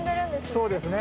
そうですね。